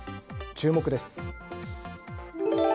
注目です。